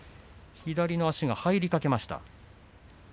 左の足が入りかけました。